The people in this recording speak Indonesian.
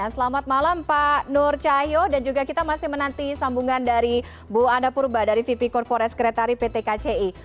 selamat malam pak nur cahyo dan juga kita masih menanti sambungan dari bu anna purba dari vp corporate secretary pt kci